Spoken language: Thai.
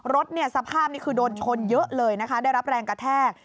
สภาพนี้คือโดนชนเยอะเลยนะคะได้รับแรงกระแทก